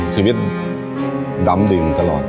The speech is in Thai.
ชีวิตดำดึงตลอด